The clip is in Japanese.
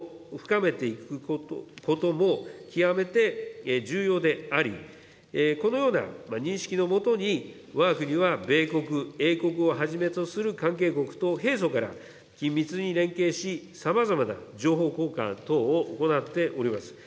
その際、関係国との連携強化を深めていくことも極めて重要であり、このような認識のもとに、わが国は米国、英国をはじめとする関係国と平素から緊密に連携し、さまざまな情報交換等を行っております。